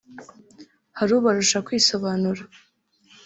hari ubarusha kwisobanura